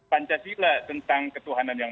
pancasila tentang ketuhanan yang